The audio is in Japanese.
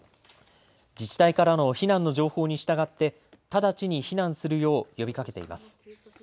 自治体からの避難の情報に従って直ちに避難するよう呼びかけています。